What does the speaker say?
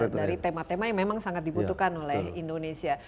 dari tema tema yang memang sangat dibutuhkan oleh indonesia